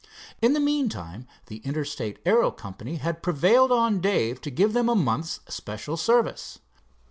In the meantime the Interstate Aero Company had prevailed on Dave to give them a month's special service.